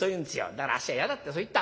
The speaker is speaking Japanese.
だからあっしは『嫌だ』ってそう言った。